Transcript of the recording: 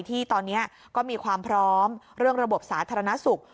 ที่ตอนนี้ก็มีความพร้อมเรื่องระบบสาธารณสุข